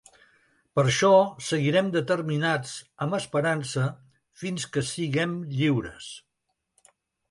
Per això, seguirem determinats, amb esperança, fins que siguem lliures.